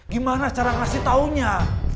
gimana cara ngasih taunya